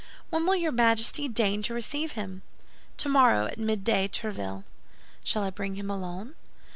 "When will your Majesty deign to receive him?" "Tomorrow, at midday, Tréville." "Shall I bring him alone?"